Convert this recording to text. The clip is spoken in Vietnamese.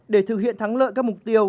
để thực hiện thắng lợi các mục tiêu